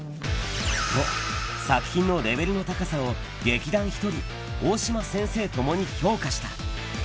と、作品のレベルの高さを劇団ひとり、大島先生ともに評価した。